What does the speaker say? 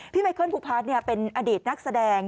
พี่ไมเคิลภูพาร์ตเนี่ยเป็นอดีตนักแสดง